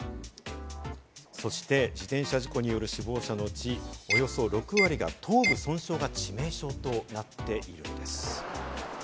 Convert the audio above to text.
そして自転車事故による死亡者のうち、およそ６割が頭部損傷が致命傷となっているんです。